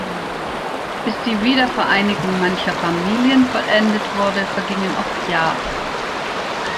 Bis die Wiedervereinigung mancher Familien vollendet wurde, vergingen oft Jahre.